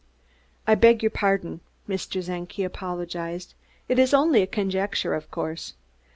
"I beg your pardon," Mr. Czenki apologized. "It is only a conjecture, of course.